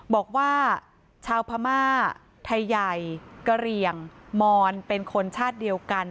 บอกว่าชาวพม่าไทยใหญ่กะเหลี่ยงมอนเป็นคนชาติเดียวกัน